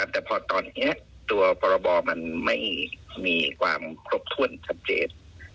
แต่พอตอนนี้ตัวพรบมันไม่มีความครบถ้วนชัดเจน